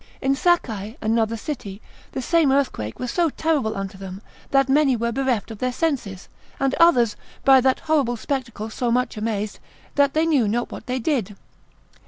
In Sacai, another city, the same earthquake was so terrible unto them, that many were bereft of their senses; and others by that horrible spectacle so much amazed, that they knew not what they did.